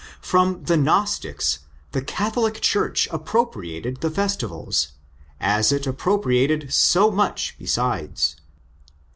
From the Gnostics the Catholic Church appropriated the festivals, as it appropriated so much besides.